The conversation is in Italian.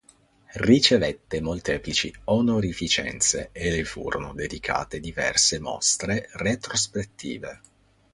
Ricevette molteplici onorificenze e le furono dedicate diverse mostre retrospettive.